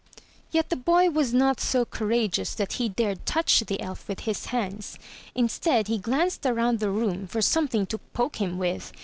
Yet the boy was not so courageous that he dared touch the elf with his hands; instead he glanced around the room for some thing to poke him with.